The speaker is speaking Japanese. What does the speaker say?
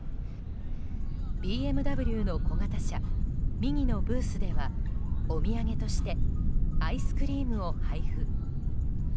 ＢＭＷの小型車ＭＩＮＩのブースではお土産としてアイスクリームを配布。